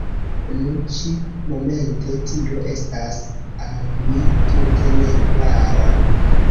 Nu, ĉi-momente tio estas al mi tute ne klara.